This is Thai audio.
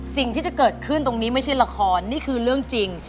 สิ่งที่จะเกิดขึ้นตรงนี้ไม่ใช่ละครนี่คือเรื่องจริง